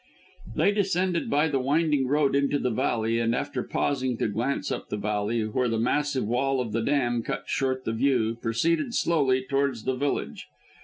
They descended by the winding road into the valley, and after pausing to glance up the valley, where the massive wall of the dam cut short the view, proceeded slowly towards the village.